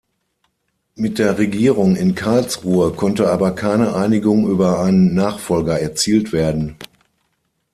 Mit der Regierung in Karlsruhe konnte aber keine Einigung über einen Nachfolger erzielt werden.